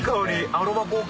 アロマ効果。